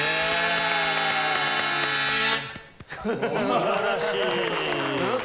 素晴らしい。